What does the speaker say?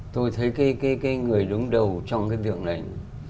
tôi thấy cái người đứng đầu trong cái việc này